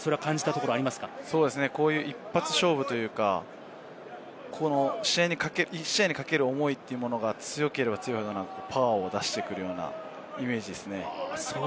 こういう一発勝負というか、この１試合にかける思いというものが強ければ強いほどパワーを出してくるようなイメージですね。